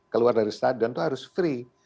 keluar dari stadion itu harus free